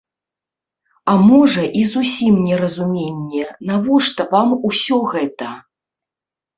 А можа, і зусім неразуменне, навошта вам усё гэта?